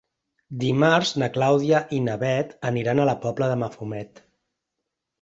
Dimarts na Clàudia i na Bet aniran a la Pobla de Mafumet.